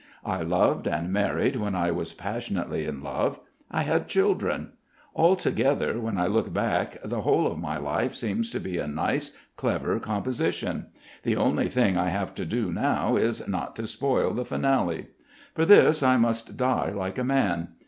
I loved and married when I was passionately in love. I had children. Altogether, when I look back the whole of my life seems like a nice, clever composition. The only thing I have to do now is not to spoil the finale. For this, I must die like a man.